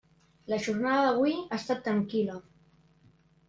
La jornada d'avui ha estat tranquil·la.